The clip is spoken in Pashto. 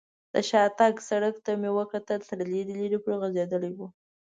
د شاتګ سړک ته مې وکتل، تر لرې لرې پورې غځېدلی و.